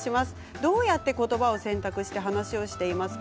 どうやってことばを選択して話していますか？